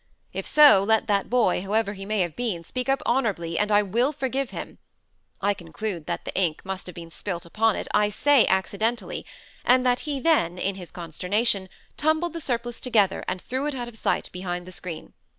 If so, let that boy, whoever he may have been, speak up honourably, and I will forgive him. I conclude that the ink must have been spilt upon it, I say accidentally, and that he then, in his consternation, tumbled the surplice together, and threw it out of sight behind the screen.